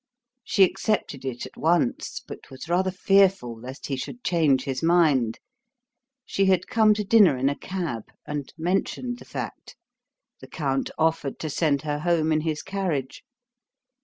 She accepted it at once, but was rather fearful lest he should change his mind. She had come to dinner in a cab, and mentioned the fact. The count offered to send her home in his carriage.